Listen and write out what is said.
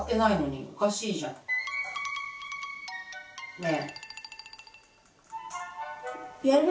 ねえ。